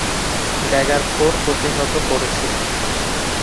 Dagger four প্রতিহত করছি।